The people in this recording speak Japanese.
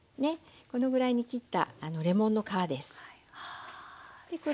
このぐらいに切ったレモンの皮です。